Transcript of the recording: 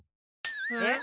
えっ？